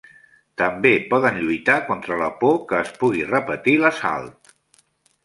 També poden lluitar contra la por que es pugui repetir l'assalt.